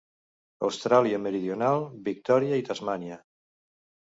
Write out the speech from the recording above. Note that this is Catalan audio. Austràlia Meridional, Victòria i Tasmània.